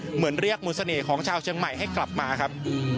เหมือนเรียกมูลเสน่ห์ของชาวเชียงใหม่ให้กลับมาครับ